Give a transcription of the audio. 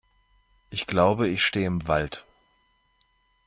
Ich glaube, ich stehe im Wald!